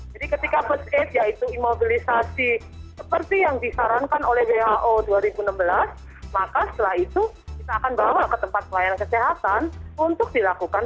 jadi ketika first aid yaitu imobilisasi seperti yang disarankan oleh who dua ribu enam belas maka setelah itu kita akan bawa ke tempat pelayanan kesehatan untuk dilakukan